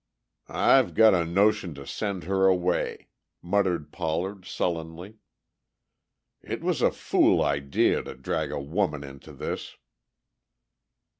"I've got a notion to send her away," muttered Pollard sullenly. "It was a fool idea to drag a woman into this."